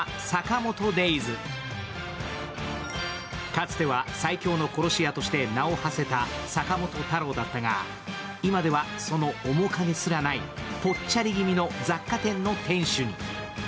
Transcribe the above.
かつては最強の殺し屋として名をはせた坂本太郎だったが今ではその面影すらないぽっちゃり気味の雑貨店店主に。